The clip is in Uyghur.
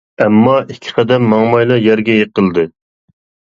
ئەمما ئىككى قەدەم ماڭمايلا يەرگە يىقىلدى.